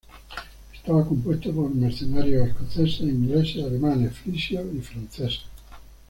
Estaba compuesto por mercenarios escoceses, ingleses, alemanes, frisios y franceses.